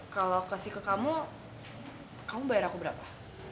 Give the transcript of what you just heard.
kalau kasih ke kamu kamu bayar aku berapa